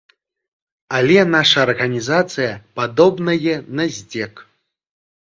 Але наша арганізацыя падобнае на здзек.